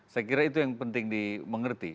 saya kira itu yang penting dimengerti